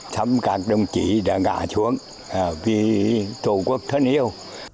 thăm các đồng chí đã ngã xuống vì tổ quốc thân yêu